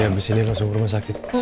dia abis ini langsung ke rumah sakit